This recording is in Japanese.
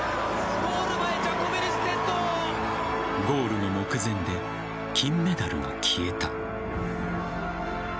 ゴールの目前で金メダルが消えた。